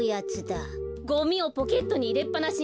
ゴミをポケットにいれっぱなしにしないで。